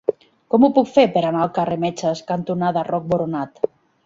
Com ho puc fer per anar al carrer Metges cantonada Roc Boronat?